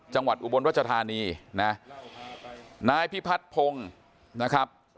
อุบลรัชธานีนะนายพิพัฒน์พงศ์นะครับ